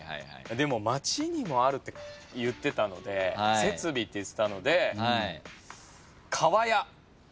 でも町にもあるっていってたので設備っていってたので。